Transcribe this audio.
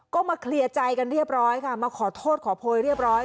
ก็มาเคลียร์ใจกันเรียบร้อยค่ะมาขอโทษขอโพยเรียบร้อย